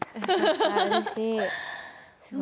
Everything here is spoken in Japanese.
うれしい。